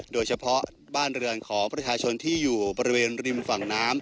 โดยเฉพาะบ้านเรือนของประชาชนที่อยู่บริเวณริมฝั่งน้ำ